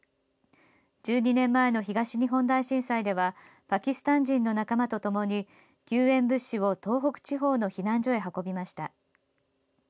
１２年前の東日本大震災ではパキスタン人の仲間とともに救援物資を東北地方の避難所へ運びました。